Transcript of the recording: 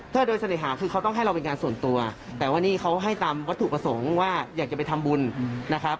ถ้าโดยเสน่หาคือเขาต้องให้เราเป็นงานส่วนตัวแต่ว่านี่เขาให้ตามวัตถุประสงค์ว่าอยากจะไปทำบุญนะครับ